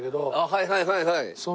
はいはいはいはい。